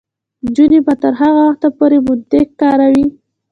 نجونې به تر هغه وخته پورې منطق کاروي.